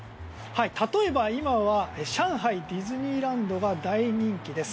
例えば今は上海ディズニーランドが大人気です。